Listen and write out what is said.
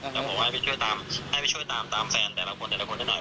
ก็บอกว่าให้ไปช่วยตามให้ไปช่วยตามตามแฟนแต่ละคนแต่ละคนให้หน่อย